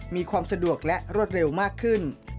มีความสะดวกและรวดเร็วมากขึ้น